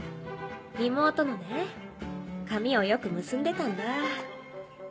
妹のね髪をよく結んでたんだ。